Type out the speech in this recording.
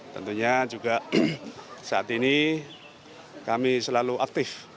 tentunya juga saat ini kami selalu aktif